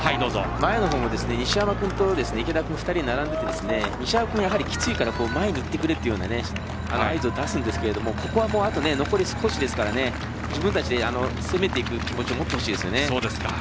前の方も西山君池田君の２人が並んでて西山君やはり、きついから前にいってくれというような合図を出すんですけど残り少しですから自分たちで攻めていく気持ちを持ってほしいですよね。